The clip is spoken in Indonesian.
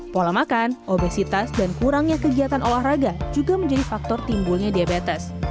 pola makan obesitas dan kurangnya kegiatan olahraga juga menjadi faktor timbulnya diabetes